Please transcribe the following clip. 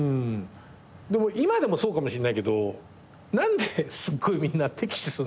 でも今でもそうかもしんないけど何ですっごい敵視すんだろうね。